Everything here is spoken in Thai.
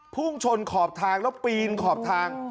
พุ่งชนขอบทางแล้วปีนขอบทาง